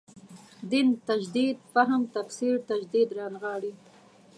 دین تجدید فهم تفسیر تجدید رانغاړي.